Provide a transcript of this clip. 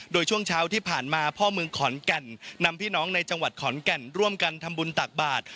โดยช่วงเช้าที่ผ่านมาพ่อเมืองขอนแก่นนำพี่น้องในจังหวัดขอนแก่นร่วมกันทำบุญตักบาท